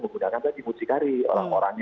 menggunakan tadi mucikari orang orangnya